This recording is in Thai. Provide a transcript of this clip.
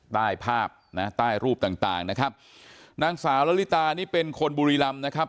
ใต้ภาพนะใต้รูปต่างต่างนะครับนางสาวละลิตานี่เป็นคนบุรีรำนะครับ